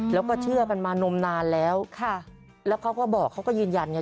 แล้วก็เชื่อกันมานมนานแล้วค่ะแล้วเขาก็บอกเขาก็ยืนยันไง